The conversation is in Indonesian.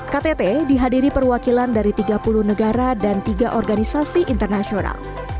ktt dihadiri perwakilan dari tiga puluh negara dan tiga organisasi internasional